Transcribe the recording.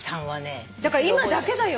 だから今だけだよ。